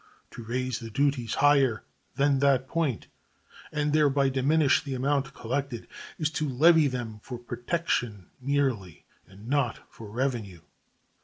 To raise the duties higher than that point, and thereby diminish the amount collected, is to levy them for protection merely, and not for revenue.